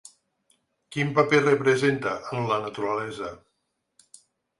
Quin paper representa en la naturalesa?